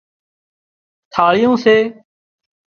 ٿاۯيون سي